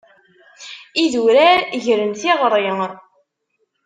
Idurar gren tiγri.